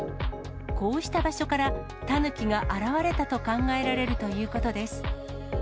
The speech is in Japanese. こうした場所から、タヌキが現れたと考えられるということです。